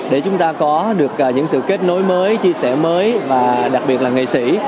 để chúng ta có được những sự kết nối mới chia sẻ mới và đặc biệt là nghệ sĩ